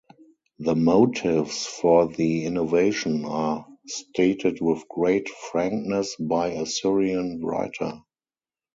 The motives for the innovation are stated with great frankness by a Syrian writer.